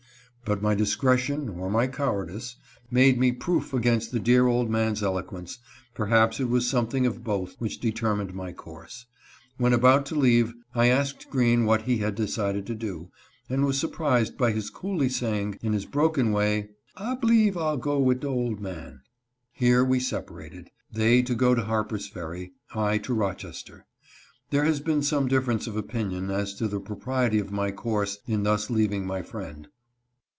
But my discretion or my cowardice made me proof against the dear old man's eloquence — perhaps it was something of both which de termined my course. When about to leave I asked Green what lie had decided to do, and was surprised by his coolly saying, in his broken way, " I b'leve I'll go wid de JEREMIAH ANDERSON. 391 ole man." Here we separated ; they to go to Harper's Ferry, I to Rochester. There has been some difference of opinion as to the propriety of my course in thus leaving my friend.